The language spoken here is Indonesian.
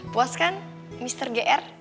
puas kan mr gr